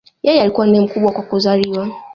Yeye alikuwa ndiye mkubwa kwa kuzaliwa